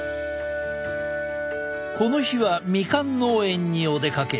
この日はミカン農園にお出かけ。